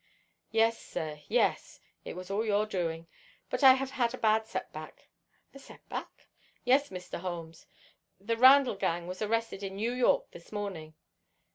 "Yes, sir, yes. It was all your doing. But I have had a bad set back." "A set back?" "Yes, Mr. Holmes. The Randall gang were arrested in New York this morning."